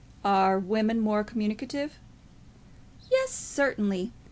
"Are women more communicative?" "Yes; certainly.